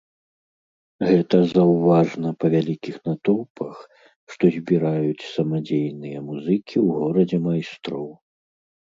Гэта заўважна па вялікіх натоўпах, што збіраюць самадзейныя музыкі ў горадзе майстроў.